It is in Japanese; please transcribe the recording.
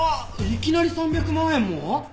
いきなり３００万円も？